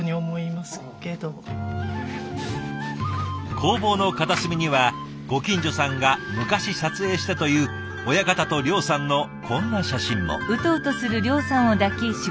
工房の片隅にはご近所さんが昔撮影したという親方と諒さんのこんな写真も。